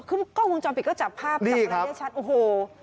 คือกล้องวงจอมปิดก็จับภาพนี่ครับได้ชัดโอ้โห